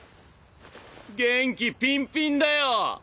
元気ピンピンだよ！